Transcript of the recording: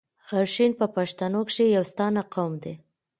غرشین په پښتنو کښي يو ستانه قوم دﺉ.